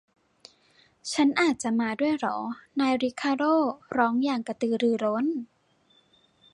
ฉันอาจจะมาด้วยเหรอ ? นายริคาร์โด้ร้องอย่างกระตือรือร้น